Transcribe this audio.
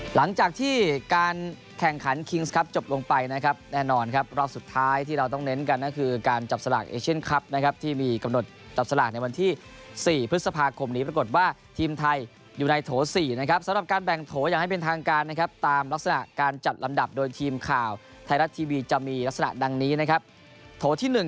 หลังจากที่การแข่งขันคิงส์ครับจบลงไปนะครับแน่นอนครับรอบสุดท้ายที่เราต้องเน้นกันก็คือการจับสลากเอเชียนคลับนะครับที่มีกำหนดจับสลากในวันที่๔พฤษภาคมนี้ปรากฏว่าทีมไทยอยู่ในโถ๔นะครับสำหรับการแบ่งโถอย่างให้เป็นทางการนะครับตามลักษณะการจัดลำดับโดยทีมข่าวไทยรัฐทีวีจะมีลักษณะดังนี้นะครับโถที่๑